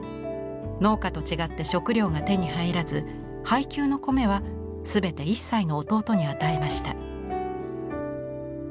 農家と違って食糧が手に入らず配給の米は全て１歳の弟に与えました。